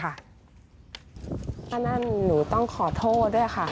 เพราะฉะนั้นหนูต้องขอโทษด้วยค่ะ